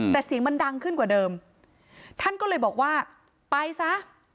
แต่เสียงมันดังขึ้นกว่าเดิมท่านก็เลยบอกว่าไปซะ